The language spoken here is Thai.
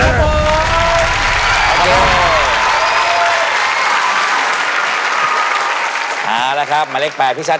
เอาละครับหมายเลข๘พี่ชัด